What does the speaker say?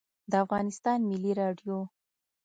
د افغانستان ملی رادیو